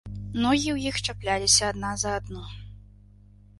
Ногі ў іх чапляліся адна за адну.